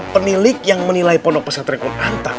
penilik yang menilai pondok peserta rekun antak